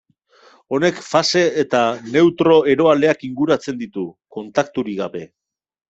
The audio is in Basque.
Honek fase eta neutro eroaleak inguratzen ditu, kontakturik gabe.